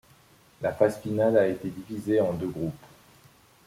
La phase finale a été divisée en deux groupes.